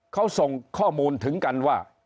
เขาส่งข้อมูลถึงกันว่า